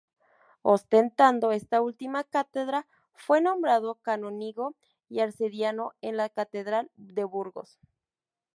Ostentando esta última cátedra fue nombrado canónigo y arcediano en la catedral de Burgos.